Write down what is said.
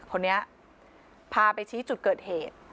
คนนี้พาไปชี้จุดเกิดเหตุ